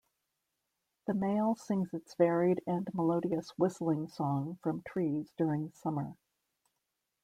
The male sings its varied and melodious whistling song from trees during summer.